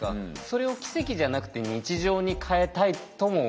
それを奇跡じゃなくて日常に変えたいとも思いますよね。